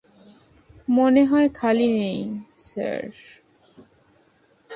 মনে হয় খালি নেই, স্যার।